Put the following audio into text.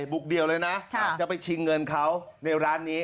บุกเดี่ยวเลยนะจะไปชิงเงินเขาในร้านนี้